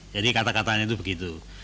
jadi kata katanya itu begitu